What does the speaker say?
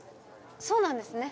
そうなんですね。